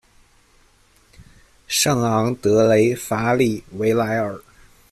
圣昂德雷法里维莱尔。